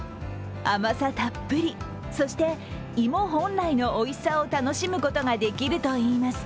甘さたっぷり、そして芋本来のおいしさを楽しむことができるといいます。